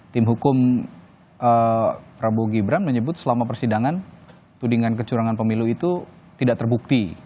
tim hukum prabowo gibran menyebut selama persidangan tudingan kecurangan pemilu itu tidak terbukti